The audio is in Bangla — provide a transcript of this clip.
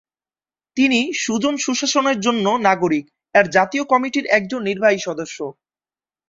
তিনি "সুজন-সুশাসনের জন্য নাগরিক"-এর জাতীয় কমিটির একজন নির্বাহী সদস্য।